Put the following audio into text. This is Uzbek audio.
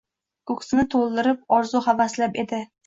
Ko‘ksini to‘ldirib orzu-havaslab edi.